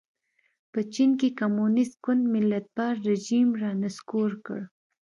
په چین کې کمونېست ګوند ملتپال رژیم را نسکور کړ.